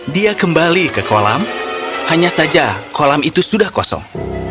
dia kembali ke kolam hanya saja kolam itu sudah kosong